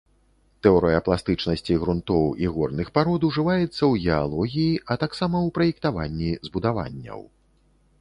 Тэорыя пластычнасці грунтоў і горных парод ужываецца ў геалогіі, а таксама ў праектаванні збудаванняў.